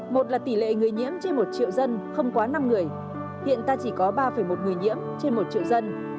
một là tỷ lệ người nhiễm trên một triệu dân không quá năm người hiện ta chỉ có ba một người nhiễm trên một triệu dân